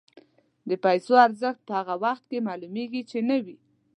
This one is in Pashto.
د پیسو ارزښت په هغه وخت کې معلومېږي چې نه وي.